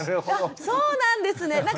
あっそうなんですね。